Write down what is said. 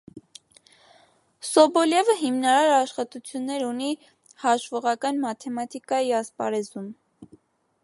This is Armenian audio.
Սոբոլևը հիմնարար աշխատություններ ունի հաշվողական մաթեմատիկայի ասպարեզում։